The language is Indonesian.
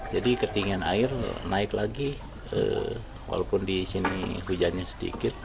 jadi ketinggian air naik lagi walaupun di sini hujannya sedikit